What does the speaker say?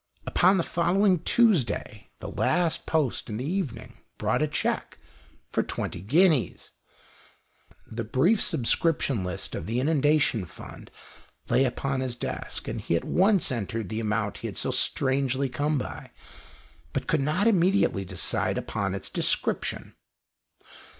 Upon the following Tues day, the last post in the evening brought a cheque for twenty guineas. The brief subscrip tion list of the Inundation Fund lay upon his desk, and he at once entered the amount he had so strangely come by, but could not immediately decide upon its description.